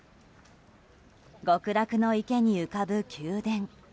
極楽の池に浮かぶ宮殿。